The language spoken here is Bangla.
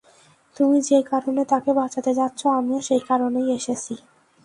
তুমি যে কারণে তাকে বাঁচাতে যাচ্ছো, আমিও সেই কারণেই এসেছি।